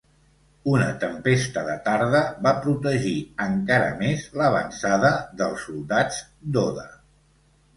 Una tempesta de tarda va protegir encara més l'avançada dels soldats d'Oda.